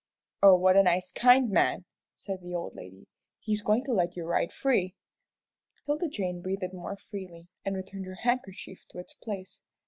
"Oh, what a nice kind man!" said the old lady. "He's going to let you ride free." 'Tilda Jane breathed more freely, and returned her handkerchief to its place.